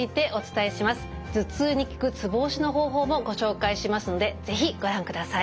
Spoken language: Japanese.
頭痛に効くツボ押しの方法もご紹介しますので是非ご覧ください。